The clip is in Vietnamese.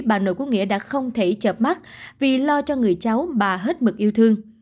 bà nội của nghĩa đã không thể chợp mắt vì lo cho người cháu bà hết mực yêu thương